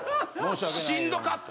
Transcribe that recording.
しんどかった。